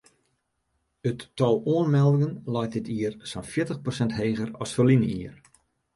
It tal oanmeldingen leit dit jier sa'n fjirtich prosint heger as ferline jier.